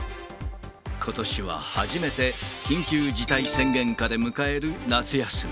ことしは初めて、緊急事態宣言下で迎える夏休み。